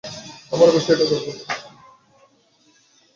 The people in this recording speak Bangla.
আমরা অবশ্যই এটা করবো।